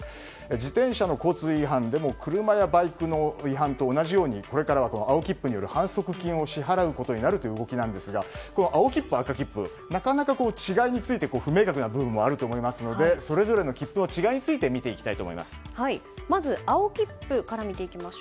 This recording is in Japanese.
自転車の交通違反でも車やバイクの違反と同じようにこれからは青切符による反則金を支払うことになるという動きなんですが青切符、赤切符なかなか違いについて不明確な部分あると思いますのでそれぞれの切符の違いについてまず青切符から見ていきます。